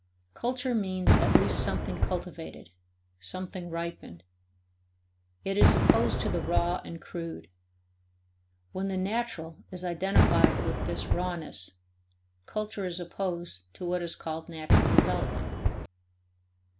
Culture means at least something cultivated, something ripened; it is opposed to the raw and crude. When the "natural" is identified with this rawness, culture is opposed to what is called natural development.